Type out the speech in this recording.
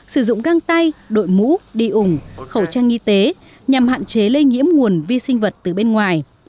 sử dụng găng tay đội mũ đi ủng khẩu trang y tế nhằm hạn chế lây nhiễm nguồn vi sinh vật từ bên ngoài